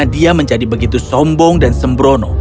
dia menjadi begitu sombong dan sembrono